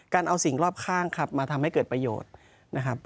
เอาสิ่งรอบข้างครับมาทำให้เกิดประโยชน์นะครับ